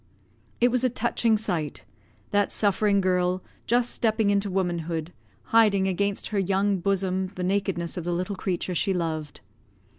It was a touching sight; that suffering girl, just stepping into womanhood, hiding against her young bosom the nakedness of the little creature she loved.